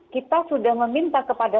kita sudah meminta kepada